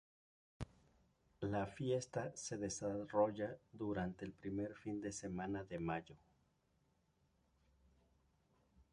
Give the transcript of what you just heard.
La fiesta se desarrolla durante el primer fin de semana de mayo.